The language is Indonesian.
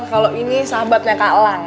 kalau ini sahabatnya kak elang